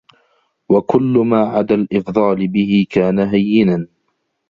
وَكُلُّ مَا عَدَا الْإِفْضَالَ بِهِ كَانَ هَيِّنًا